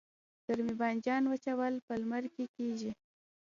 د رومي بانجان وچول په لمر کې کیږي؟